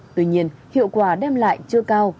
tuy nhiên hiệu quả đem lại chưa cao